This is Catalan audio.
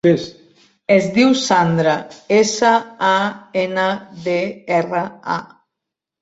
Es diu Sandra: essa, a, ena, de, erra, a.